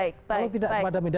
kalau tidak kepada media